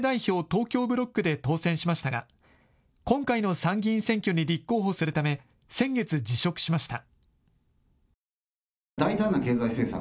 東京ブロックで当選しましたが今回の参議院選挙に立候補するため先月、辞職しました。